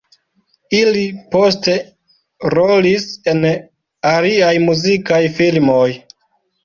Ili poste rolis en aliaj muzikaj filmoj.